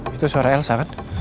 itu suara elsa kan